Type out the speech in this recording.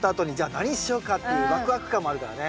何しようかっていうワクワク感もあるからね。